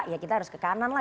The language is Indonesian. ya kita harus ke kanan lah